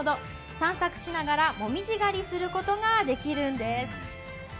散策しながら紅葉狩りすることができるんです。